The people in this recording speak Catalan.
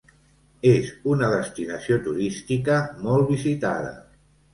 És una destinació turística molt visitada.